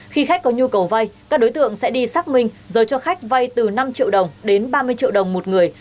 khi khách có nhu cầu vay các đối tượng sẽ đi xác minh rồi cho khách vay từ năm triệu đồng đến ba mươi triệu đồng một người